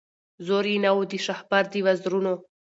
زور یې نه وو د شهپر د وزرونو